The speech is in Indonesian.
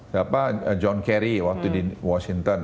siapa john kerry waktu di washington